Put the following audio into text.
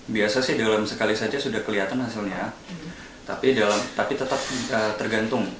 biasa sih dalam sekali saja sudah kelihatan hasilnya tapi tetap tergantung